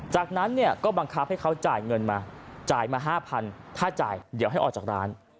จากนั้นเนี่ยก็บังคับให้เขาจ่ายเงินมาจ่ายมา๕๐๐ถ้าจ่ายเดี๋ยวให้ออกจากร้าน